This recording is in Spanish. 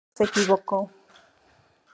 Nunca se equivocó.